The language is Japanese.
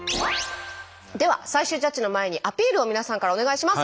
では最終ジャッジの前にアピールを皆さんからお願いします。